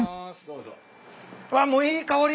うわもういい香り！